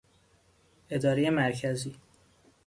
ادارهی مرکزی